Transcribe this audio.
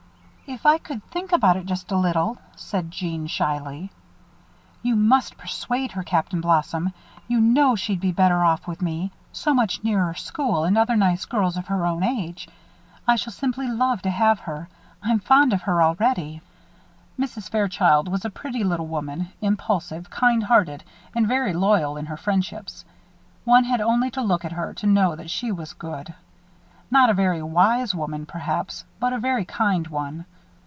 "If I could think about it just a little," said Jeanne, shyly. "You must persuade her, Captain Blossom. You know she'd be better off with me so much nearer school and other nice girls of her own age. I shall simply love to have her I'm fond of her already." Mrs. Fairchild was a pretty little woman, impulsive, kind hearted, and very loyal in her friendships. One had only to look at her to know that she was good. Not a very wise woman, perhaps; but a very kind one.